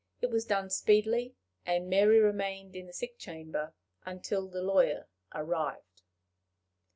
It was done speedily, and Mary remained in the sick chamber until the lawyer arrived.